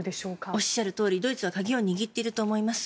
おっしゃるとおりドイツは鍵を握っていると思います。